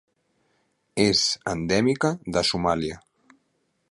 És endèmica de Somàlia.